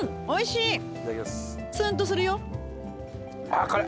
おいしい！